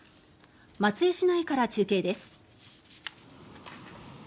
松江市内から中継です。